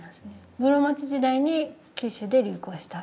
室町時代に九州で流行した。